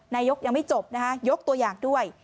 นายกยังไม่จบนะคะยกตัวอย่างด้วย